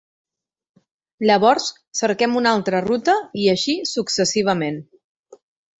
Llavors, cerquem una altra ruta, i així successivament.